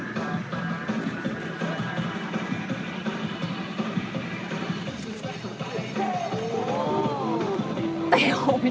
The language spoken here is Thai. เตะไม่รู้มั้ย